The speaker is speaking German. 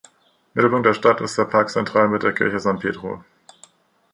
Mittelpunkt der Stadt ist der Parque Central mit der Kirche San Pedro.